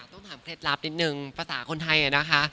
ต้องถามเคล็ดลับนิดนึงภาษาคนไทยนะคะ